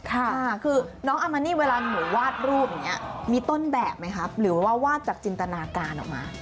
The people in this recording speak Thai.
ค่ะคือน้องอามานี่เวลาหนูวาดรูปอย่างนี้มีต้นแบบไหมครับหรือว่าวาดจากจินตนาการออกมา